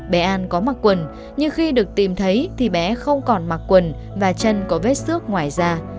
bé an có mặc quần nhưng khi được tìm thấy thì bé không còn mặc quần và chân có vết xước ngoài da